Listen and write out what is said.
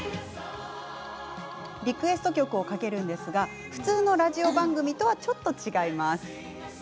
リクエスト曲をかけるのですが普通のラジオ番組とはちょっと違います。